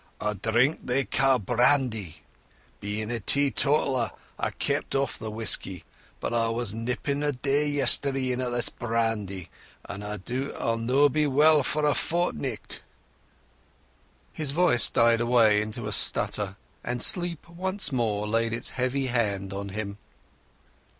"A drink they ca' brandy. Bein' a teetotaller I keepit off the whisky, but I was nip nippin' a' day at this brandy, and I doubt I'll no be weel for a fortnicht." His voice died away into a splutter, and sleep once more laid its heavy hand on him.